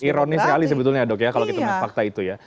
ironis sekali sebetulnya dok ya kalau kita melihat fakta itu ya